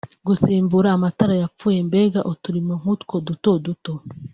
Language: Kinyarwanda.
gusimbura amatara yapfuye mbega uturimo nk’utwo duto duto